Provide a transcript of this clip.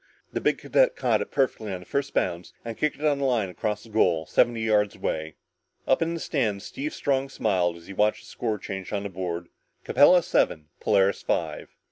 The big cadet caught it perfectly on the first bounce and kicked it on a line across the goal, seventy yards away. Up in the stands, Steve Strong smiled as he watched the score change on the board: "Capella seven Polaris five!"